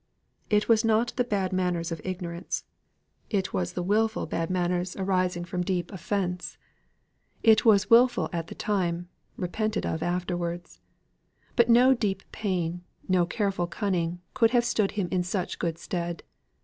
It was not the bad manners of ignorance; it was the wilful bad manners arising from deep offence. It was wilful at the time; repented of afterwards. But no deep plan, no careful cunning could have stood him in such good stead.